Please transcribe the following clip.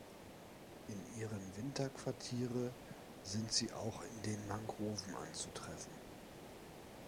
In ihren Winterquartiere sind sie auch in den Mangroven anzutreffen.